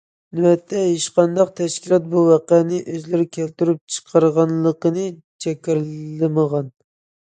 نۆۋەتتە، ھېچقانداق تەشكىلات بۇ ۋەقەنى ئۆزلىرى كەلتۈرۈپ چىقارغانلىقىنى جاكارلىمىغان.